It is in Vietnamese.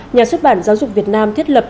nhà xuất bản giáo dục việt nam thiết lập